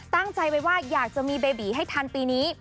ตั้งใจไว้ว่าอยากจะมีเบบีให้ทันปีนี้